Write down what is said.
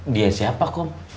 dia siapa kum